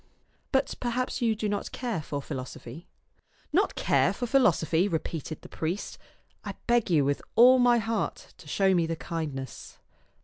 But perhaps you do not care for philosophy?" " Not care for philosophy ?" repeated the priest ;" I beg you with all my heart to show me the kindness."